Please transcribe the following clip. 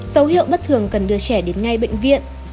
dấu hiệu bất thường cần đưa trẻ đến ngay bệnh viện